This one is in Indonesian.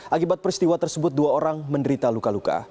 akibat peristiwa tersebut dua orang menderita luka luka